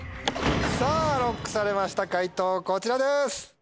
さぁＬＯＣＫされました解答こちらです！